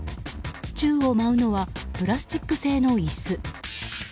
宙を舞うのはプラスチック製の椅子。